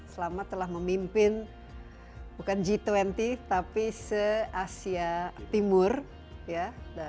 selamat telah memimpin bukan g dua puluh tapi se asia timur ya